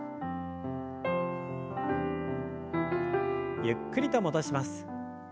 ゆっくりと戻します。